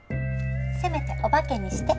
せめて「おばけ」にして！